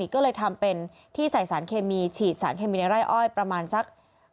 ก็เลยทำเป็นที่ใส่สารเคมีฉีดสารเคมีในไร่อ้อยประมาณสัก